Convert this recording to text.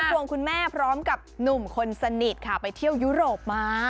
ควงคุณแม่พร้อมกับหนุ่มคนสนิทค่ะไปเที่ยวยุโรปมา